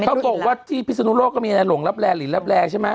เขาบอกว่าที่พิศนุโลกก็มีอะไรหลงรับแร่หลินรับแร่ใช่ไหม